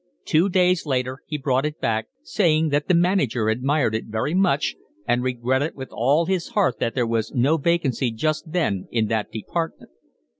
Two days later he brought it back, saying that the manager admired it very much and regretted with all his heart that there was no vacancy just then in that department.